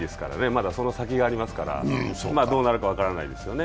まだその先がありますから、どうなるか分からないですよね。